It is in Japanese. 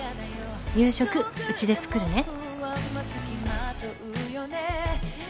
「夕食うちで作るね」